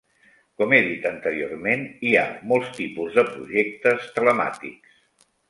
Com hem dit anteriorment, hi ha molts tipus de projectes telemàtics.